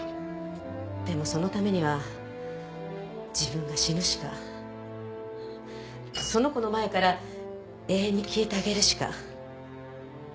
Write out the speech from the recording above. でもそのためには自分が死ぬしかその子の前から永遠に消えてあげるしか。